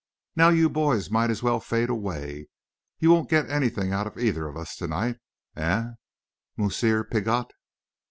"Now you boys might as well fade away. You won't get anything out of either of us to night eh, Moosseer Piggott?"